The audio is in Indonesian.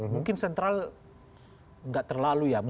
mungkin sentral nggak terlalu ya